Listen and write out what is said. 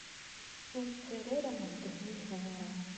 Ur d-ttarra ara ddehn-nnek ɣer-i.